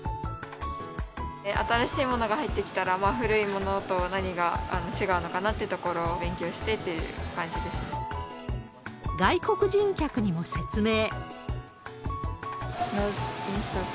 新しいものが入ってきたら、古いものと何が違うのかなというところを勉強してっていう感じで外国人客にも説明。